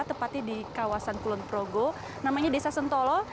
tepatnya di kawasan kulon progo namanya desa sentolo